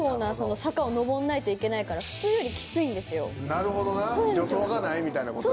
なるほどな助走がないみたいなことや。